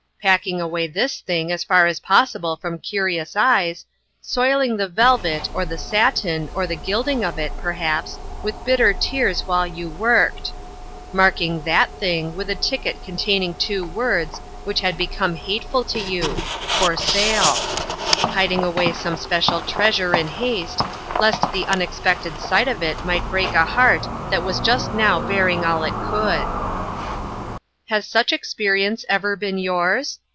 Packing away this thing as far as possible from curious eyes, soiling the velvet, or the satin, or the gilding of it, perhaps, with bitter tears while you worked ; marking that thing with a ticket containing two words which had become hateful to you, "For sale;" hiding away some special trea sure in haste, lest the unexpected sight of it 36 OUT IN THE WORLD. 37 might break a heart that was just now bear ing all it could. Has such experience ever been yours?